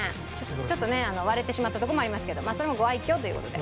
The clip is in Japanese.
ちょっとね割れてしまったとこもありますけどそれもご愛嬌という事で。